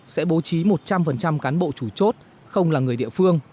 sẽ bố trí một trăm linh cán bộ chủ chốt không là người địa phương